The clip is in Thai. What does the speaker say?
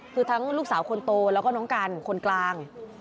คือทั้งลูกสาวคนโตแล้วก็น้องกันคนกลาง